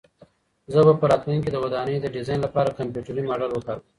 زه به په راتلونکي کې د ودانۍ د ډیزاین لپاره کمپیوټري ماډل وکاروم.